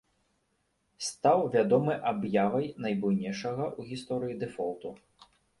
Стаў вядомы аб'явай найбуйнейшага ў гісторыі дэфолту.